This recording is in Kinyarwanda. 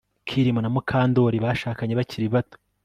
Kirima na Mukandoli bashakanye bakiri bato